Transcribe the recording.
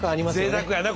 ぜいたくやね。